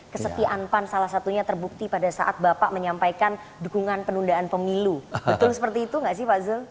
kesetiaan pan salah satunya terbukti pada saat bapak menyampaikan dukungan penundaan pemilu betul seperti itu enggak sih pak zul